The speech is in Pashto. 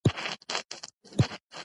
ښه نه ده چې لاړ شی سړی غلی بلې خواته؟